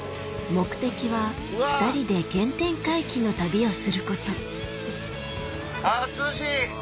目的は２人で原点回帰の旅をすることあ涼しい！